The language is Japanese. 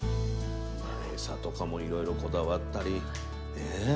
餌とかもいろいろこだわったりねえ。